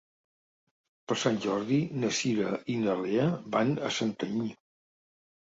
Per Sant Jordi na Cira i na Lea van a Santanyí.